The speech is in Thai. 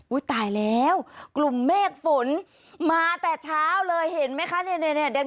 อุ้ยตายแล้วกลุ่มเมฆฝุ่นมาแต่เช้าเลยเห็นไหมคะเนี่ยเนี่ยเนี่ย